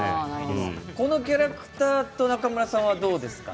このキャラクターと中村さんはどうですか？